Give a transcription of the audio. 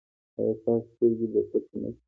ایا ستاسو سترګې به پټې نه شي؟